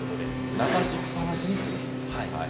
流しっぱなしにするということ。